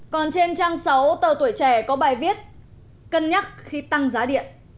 còn trên trang sáu tờ tuổi trẻ có bài viết cân nhắc khi tăng giá điện